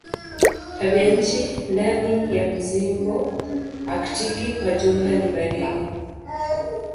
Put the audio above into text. Tabianchi ndani ya mzingo aktiki kwa jumla ni baridi.